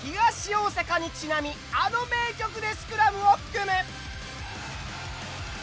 大阪にちなみあの名曲でスクラムを組む！